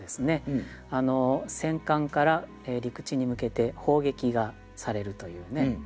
戦艦から陸地に向けて砲撃がされるというね